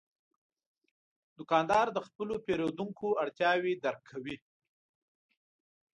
دوکاندار د خپلو پیرودونکو اړتیاوې درک کوي.